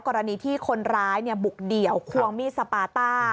กรณีที่คนร้ายบุกเดี่ยวควงมีดสปาต้า